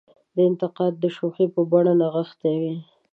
دا انتقاد د شوخۍ په بڼه نغښتې وي.